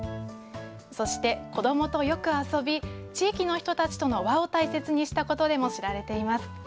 そして子どもとよく遊び、地域の人たちとの和を大切にしたことでも知られています。